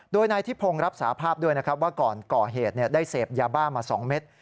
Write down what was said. โดยนายทิพงศ์รับสาภาพด้วยนะครับว่าก่อนก่อเหตุได้เสพยาบ้ามา๒เม็ด